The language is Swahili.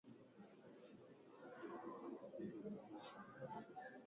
Lakini kulikuwa na mtu na nusu ambaye kivuli chake kilifanya kazi zaidi kuliko akili